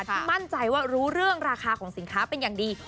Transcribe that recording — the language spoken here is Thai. ที่มั่นใจว่ารู้เรื่องราคาของสินค้าเป็นอย่างดี